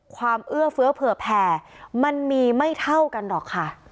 เอื้อเฟื้อเผื่อแผ่มันมีไม่เท่ากันหรอกค่ะ